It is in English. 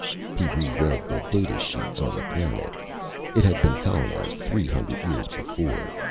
He reread the data sheets on the planet. It had been colonized three hundred years before.